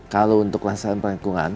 kalau untuk kelestarian lingkungan